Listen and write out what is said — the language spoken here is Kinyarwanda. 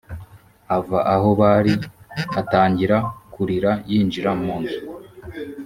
ava aho bari atangira kurira yinjira mu nzu